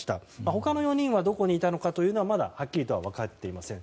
他の４人がどこにいたかはまだはっきりとは分かっていません。